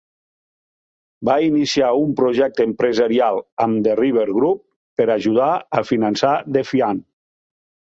Va iniciar un projecte empresarial amb The River Group per ajudar a finançar Defiant.